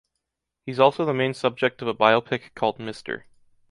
He’s also the main subject of a biopic called Mr.